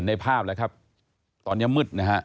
คุณทัศนาควดทองเลยค่ะ